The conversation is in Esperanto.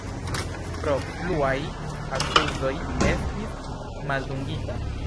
Pro pluaj akuzoj estis maldungita.